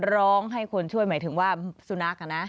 ร้องให้คนช่วยหมายถึงว่าสุนัขอ่ะนะ